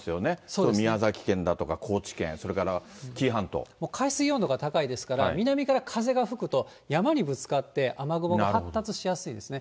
この宮崎県だとか、高知県、それから紀伊海水温度が高いですから、南から風が吹くと、山にぶつかって、雨雲が発達しやすいですね。